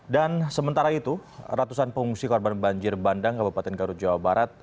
sementara itu ratusan pengungsi korban banjir bandang kabupaten garut jawa barat